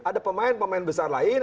ada pemain pemain besar lain